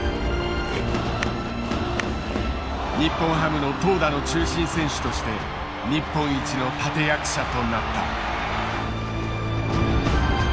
日本ハムの投打の中心選手として日本一の立て役者となった。